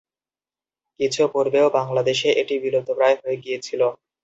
কিছু পূর্বেও বাংলাদেশে এটি বিলুপ্তপ্রায় হয়ে গিয়েছিল।